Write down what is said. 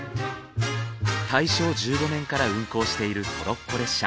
大正１５年から運行しているトロッコ列車。